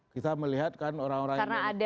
kita melihat kan orang orang